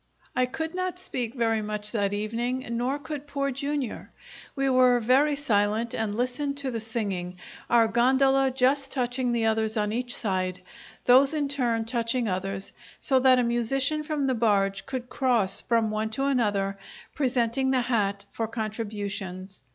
I could not speak much that evening, nor could Poor Jr. We were very silent and listened to the singing, our gondola just touching the others on each side, those in turn touching others, so that a musician from the barge could cross from one to another, presenting the hat for contributions.